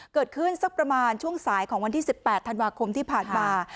สักประมาณช่วงสายของวันที่๑๘ธันวาคมที่ผ่านมา